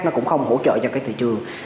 nó cũng không hỗ trợ cho cái thị trường